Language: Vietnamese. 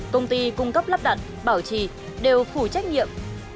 công ty cung cấp lắp đặt bảo trì đều phủ trách nhiệm